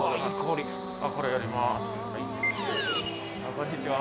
こんにちは。